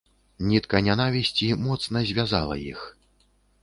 Нітка нянавісці моцна звязала іх.